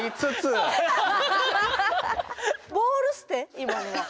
今のは。